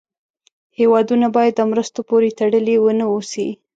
هېوادونه باید د مرستو پورې تړلې و نه اوسي.